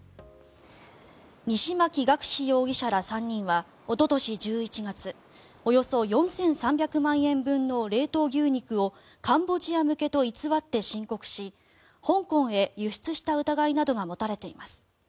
西槇学志容疑者ら３人はおととし１１月およそ４３００万円分の冷凍牛肉をカンボジア向けと偽って申告し香港へ輸出した疑いなどが持たれています。